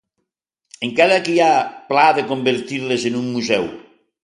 Encara que hi ha pla de convertir-les en un museu.